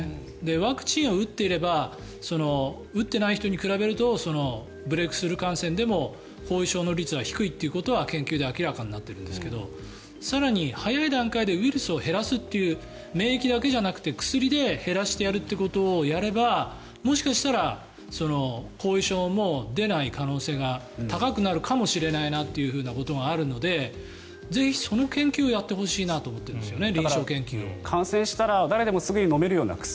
ワクチンを打っていれば打っていない人に比べるとブレークスルー感染でも後遺症の率は低いということは研究で明らかになっているんですけど更に、早い段階でウイルスを減らすという免疫だけじゃなくて、薬で減らしてやるということをやればもしかしたら後遺症も出ない可能性が高くなるかもしれないなということがあるのでぜひ、その研究をやってほしいなと思ってるんですよね。